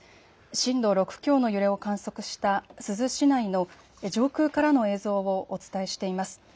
震度６強の揺れを観測した珠洲市内の上空からの映像をお伝えしています。